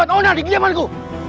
kau tak ada di kejamanku